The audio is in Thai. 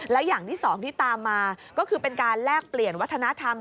แล้วอย่างที่สองที่ตามมาก็คือเป็นการแลกเปลี่ยนวัฒนธรรม